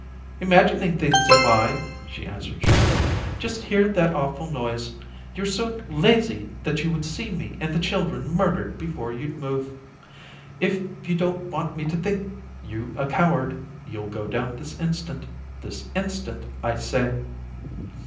"Imagining things, am I?" she answered shrilly. "Just hear that awful noise. You're so lazy that you would see me and the children murdered before you'd move. If you don't want me to think you a coward, you'll go down this instant. This instant, I say."